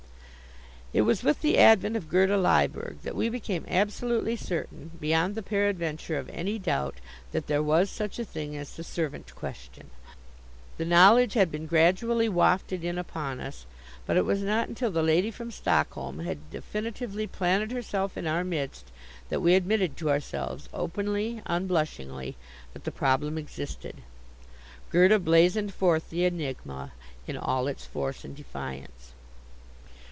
It was with the advent of Gerda Lyberg that we became absolutely certain, beyond the peradventure of any doubt, that there was such a thing as the servant question. The knowledge had been gradually wafted in upon us, but it was not until the lady from Stockholm had definitively planted herself in our midst that we admitted to ourselves openly, unblushingly, that the problem existed. Gerda blazoned forth the enigma in all its force and defiance.